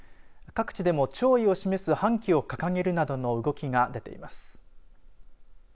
各地でも弔意を示す半旗を掲げるなどの動きが出ています。